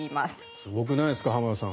すごくないですか浜田さん。